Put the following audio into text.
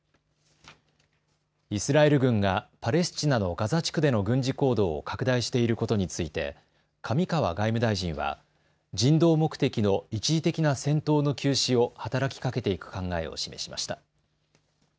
イスラエル軍がパレスチナのガザ地区での軍事行動を拡大していることについて上川外務大臣は人道目的の一時的な戦闘の休止を働きかけていく考えを示しました。